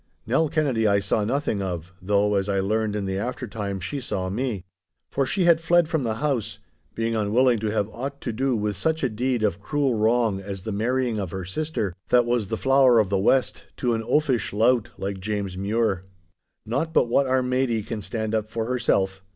Nell Kennedy I saw nothing of, though, as I learned in the aftertime, she saw me. For she too had fled from the house, being unwilling to have aught to do with such a deed of cruel wrong as the marrying of her sister, that was the flower of the West, to an oafish lout like James Mure. 'Not but what our Maidie can stand up for herself.